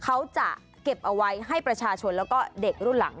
เขาจะเก็บเอาไว้ให้ประชาชนแล้วก็เด็กรุ่นหลัง